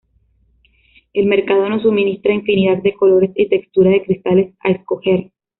El mercado nos suministra infinidad de colores y texturas de cristales a escoger.